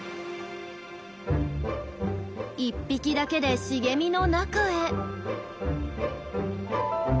１匹だけで茂みの中へ。